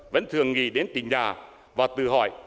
vẫn thường nghĩ đến tình nhà và tự hỏi